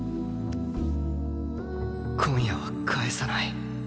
今夜は帰さない。